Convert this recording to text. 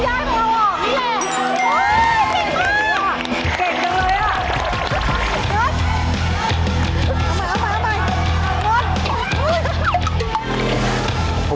เอาใหม่